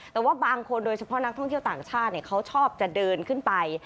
แต่ว่าบางคนโดยเฉพาะนักท่องเที่ยวต่างชาติเขาชอบจะเดินขึ้นไป